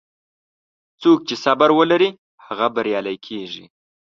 څوک چې صبر ولري، هغه بریالی کېږي.